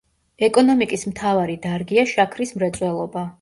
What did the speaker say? ეკონომიკის მთავარი დარგია შაქრის მრეწველობა.